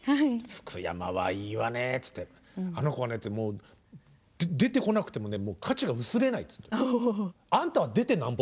「福山はいいわね」って言って「あの子はね出てこなくてもね価値が薄れない」ってあはは。